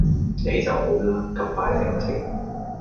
你就好啦！咁快升職。